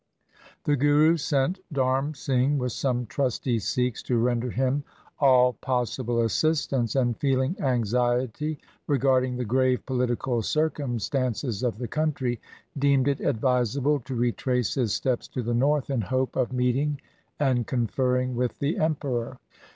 The Guru sent Dharm Singh with some trusty Sikhs to render him all possible assistance, and, feeling anxiety regarding the grave political cir cumstances of the country, deemed it advisable to retrace his steps to the north in the hope of meeting and conferring with the Emperor.